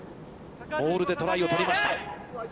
モールでトライを取りました。